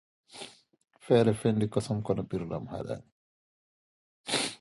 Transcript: The Berkshire Yeomanry Museum website explains the story.